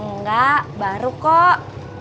nggak baru kok